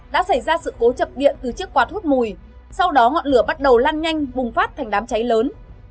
đã xảy ra sự cố chập điện từ chiếc quạt hút mùi sau đó ngọn lửa bắt đầu lan nhanh bùng phát thành đám cháy lớn